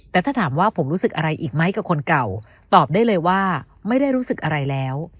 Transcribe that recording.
แต่ถ้าถามว่าผมรู้สึกอะไรอีกไหมกับคนเก่าตอบได้เลยว่าไม่ได้รู้สึกอะไรแล้ว